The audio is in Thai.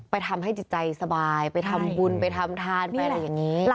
ไปทำให้ใจใจสบายไปทำบุญไปทำทานแปลอย่างนี้